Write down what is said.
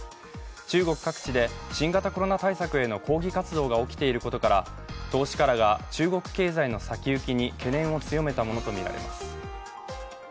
中国各地で新型コロナ対策への抗議活動が起きていることから投資家らが中国経済の先行きに懸念を強めたものとみられます。